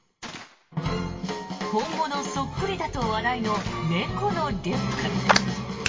本物そっくりだと話題の猫のリュック。